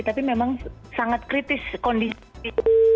tapi memang sangat kritis kondisi